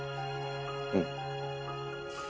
うん。